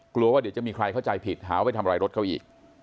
กลัวว่าเดี๋ยวจะมีใครเข้าใจผิดหาว่าไปทำอะไรรถเขาอีก